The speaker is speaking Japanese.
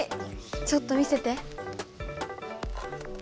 ちょっと見せて。